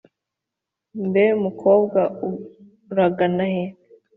mbe mukobwa uragana he?